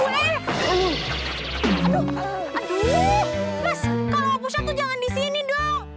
mas kalo aku satu jangan disini dong